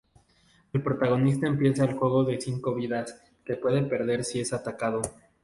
El protagonista empieza el juego con cinco vidas, que puede perder si es atacado.